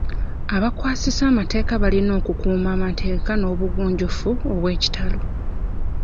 Abakwasisa amateeka balina okukuuma amateeka n'obugunjufu obw'ekitalo.